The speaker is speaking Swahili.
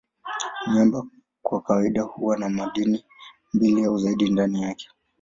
Miamba kwa kawaida huwa na madini mbili au zaidi ndani yake.